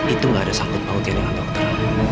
itu gak ada sangkut maut yang dengan dokter